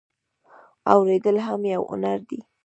اوریدل هم یو هنر دی